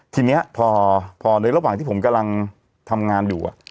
ทีนี้พอในระหว่างที่ผมกำลังทำงานอยู่